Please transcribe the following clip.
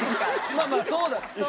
まあまあそうだ。